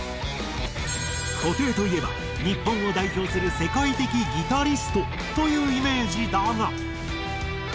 布袋といえば日本を代表する世界的ギタリストというイメージだが。